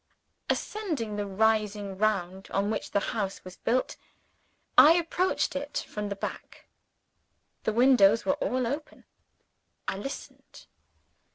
Ascending the rising ground on which the house was built, I approached it from the back. The windows were all open. I listened.